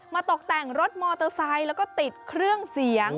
ตกแต่งรถมอเตอร์ไซค์แล้วก็ติดเครื่องเสียง